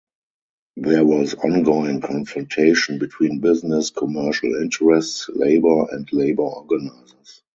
There was ongoing confrontation between business, commercial interests, labor, and labor organizers.